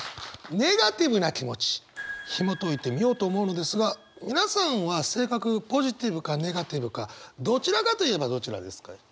ネガティブな気持ちひもといてみようと思うのですが皆さんは性格ポジティブかネガティブかどちらかといえばどちらですか？